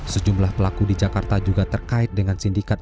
sejumlah pelaku di jakarta juga terkait dengan sindikat